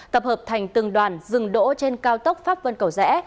tập hợp thành từng đoàn dừng đỗ trên cao tốc pháp vân cầu rẽ